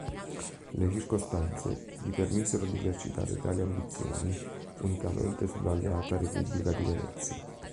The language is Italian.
Le circostanze gli permisero di esercitare tali ambizioni unicamente sull'alleata Repubblica di Venezia.